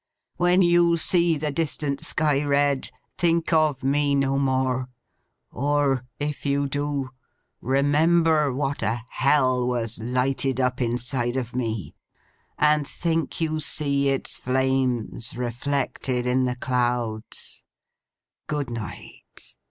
When you see the distant sky red, think of me no more; or, if you do, remember what a Hell was lighted up inside of me, and think you see its flames reflected in the clouds. Good night.